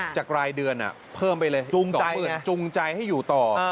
จากรายเดือนเพิ่มไปเลยจูงใจให้อยู่ต่อ